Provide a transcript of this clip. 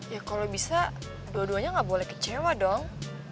ya kalau bisa dua duanya gak boleh kecewa dong